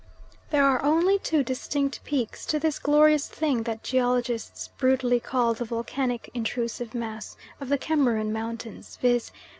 There are only two distinct peaks to this glorious thing that geologists brutally call the volcanic intrusive mass of the Cameroon Mountains, viz.